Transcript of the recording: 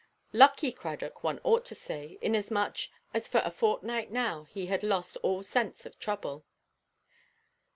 Lucky Cradock, one ought to say, inasmuch as for a fortnight now he had lost all sense of trouble.